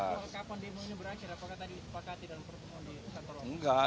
kapan demo ini berakhir apakah tadi disepakati dalam pertemuan di kantor umum